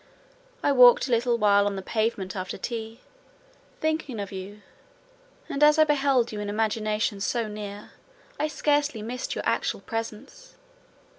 I walked a little while on the pavement after tea, thinking of you; and I beheld you in imagination so near me, I scarcely missed your actual presence.